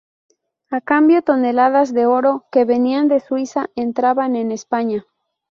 A cambio, toneladas de oro que venían de Suiza entraban en España.